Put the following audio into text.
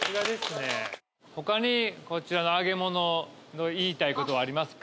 他にこちらの揚げ物の言いたいことありますか？